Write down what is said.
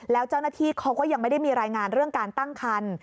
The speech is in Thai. แล้วเจ้าหน้าที่เขาก็ยังไม่ได้มีรายงานเรื่องการตั้งคัน